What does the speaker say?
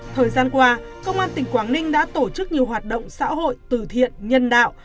thời gian qua công an tỉnh quảng ninh đã tổ chức nhiều hoạt động xã hội từ thiện nhân đạo